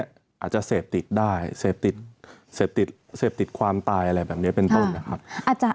อาจจะเสพติดได้เสพติดความตายอะไรแบบนี้เป็นต้นนะครับ